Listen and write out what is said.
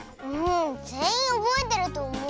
ぜんいんおぼえてるとおもう。